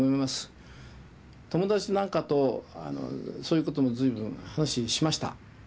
友達なんかとそういうことも随分話しました。